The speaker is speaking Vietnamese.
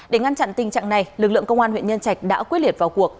để ngăn chặn tình trạng này lực lượng công an huyện nhân trạch đã quyết liệt vào cuộc